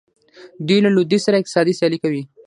دوی له لویدیځ سره اقتصادي سیالي کوي.